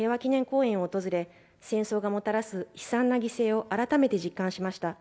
公園を訪れ戦争がもたらす悲惨な犠牲を改めて実感しました。